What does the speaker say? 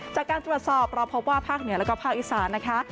จากการตรวจสอบเราพบว่าภาคเหนือแล้วก็ภาคอีสานนะคะ